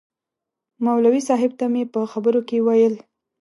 مولوي صاحب ته مې په خبرو کې ویل.